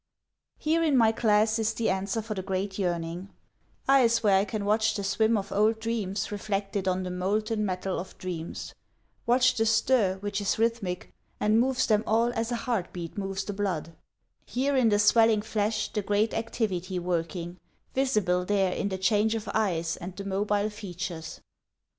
Here in my class is the answer for the great yearning: Eyes where I can watch the swim of old dreams reflected on the molten metal of dreams, Watch the stir which is rhythmic and moves them all as a heart beat moves the blood, Here in the swelling flesh the great activity working, Visible there in the change of eyes and the mobile features.